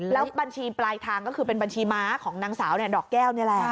แล้วบัญชีปลายทางก็คือเป็นบัญชีม้าของนางสาวดอกแก้วนี่แหละ